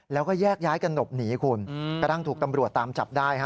แล้วก็แยกย้ายกันหลบหนีคุณกระทั่งถูกตำรวจตามจับได้ฮะ